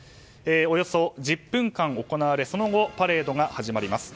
およそ１０分間行われその後、パレードが始まります。